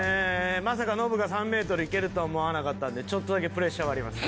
まさかノブが３メートルいけると思わなかったんでちょっとだけプレッシャーはあります。